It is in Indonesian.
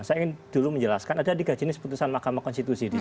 saya ingin dulu menjelaskan